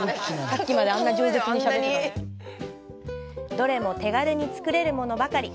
どれも手軽に作れるものばかり。